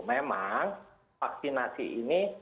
memang vaksinasi ini